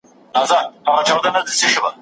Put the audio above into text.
سمندري پولې تړل سوې دي.